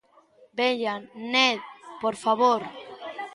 Veña, Ned, por favor.